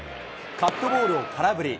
カットボールを空振り。